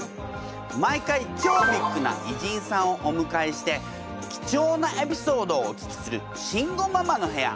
毎回超ビッグな偉人さんをおむかえして貴重なエピソードをお聞きする慎吾ママの部屋。